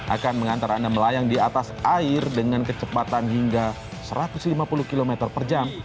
akan mengantar anda melayang di atas air dengan kecepatan hingga satu ratus lima puluh km per jam